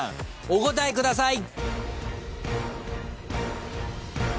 お答えください。